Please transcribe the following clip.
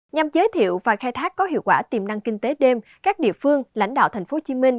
nhằm giới thiệu và khai thác có hiệu quả tiềm năng kinh tế đêm các địa phương lãnh đạo thành phố hồ chí minh